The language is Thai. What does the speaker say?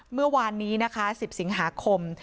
เมื่อวานนี้นะคะ๑๐สิงหาคม